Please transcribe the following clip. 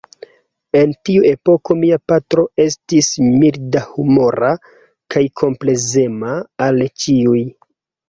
En tiu epoko mia patro estis mildahumora kaj komplezema al ĉiuj.